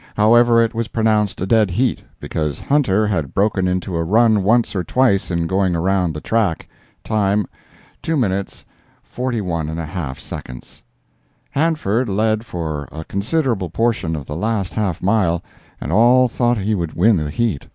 However, it was pronounced a dead heat, because "Hunter" had broken into a run once or twice in going around the track. Time, 2:411/2. "Hanford" led for a considerable portion of the last half mile, and all thought he would win the heat.